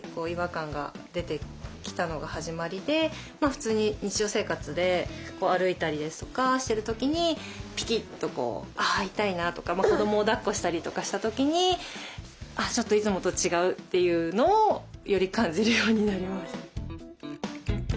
普通に日常生活で歩いたりですとかしてる時にピキッと「あ痛いな」とか子どもをだっこしたりとかした時に「ちょっといつもと違う」というのをより感じるようになりました。